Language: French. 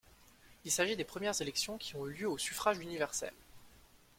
Il s'agit des premières élections qui ont eu lieu au suffrage universel.